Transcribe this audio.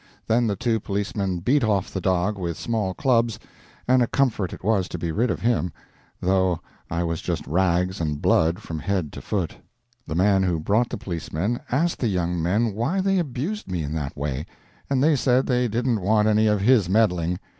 Then the two policemen beat off the dog with small clubs, and a comfort it was to be rid of him, though I was just rags and blood from head to foot. The man who brought the policemen asked the young men why they abused me in that way, and they said they didn't want any of his meddling.